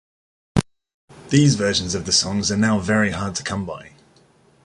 These versions of the songs are now very hard to come by.